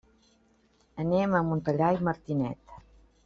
Anem a Montellà i Martinet.